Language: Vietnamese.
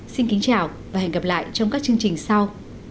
xin kính chào và hẹn gặp lại trong các chương trình sau